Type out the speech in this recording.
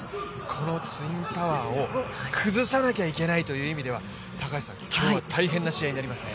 このツインタワーを崩さなきゃいけないという意味では今日は大変な試合になりますね。